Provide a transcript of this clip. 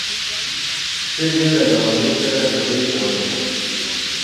ښځه له ګاونډۍ سره خبرې کولې.